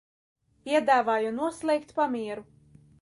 Piedāvāju noslēgt pamieru.